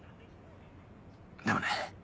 でもね